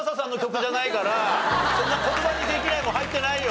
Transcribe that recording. そんな言葉にできないもの入ってないよ。